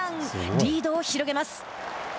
リードを広げます。